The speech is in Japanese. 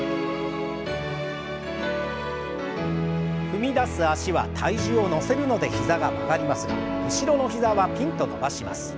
踏み出す脚は体重を乗せるので膝が曲がりますが後ろの膝はピンと伸ばします。